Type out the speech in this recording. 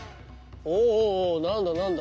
おおおお何だ何だ。